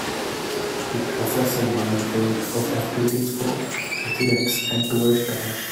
It offers a wide range of activities for residents and tourists alike.